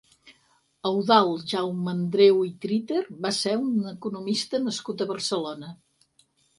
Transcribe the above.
Eudald Jaumeandreu i Triter va ser un economista nascut a Barcelona.